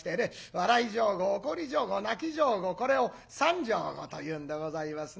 笑い上戸怒り上戸泣き上戸これを三上戸というんでございますね。